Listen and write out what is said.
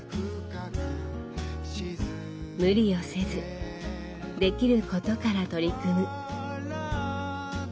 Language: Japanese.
無理をせずできることから取り組む。